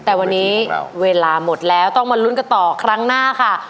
แต่วันนี้เวลาหมดแล้วต้องมาลุ้นกันต่อครั้งหน้าค่ะ